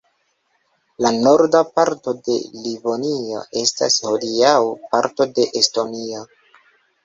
La norda parto de Livonio estas hodiaŭ parto de Estonio.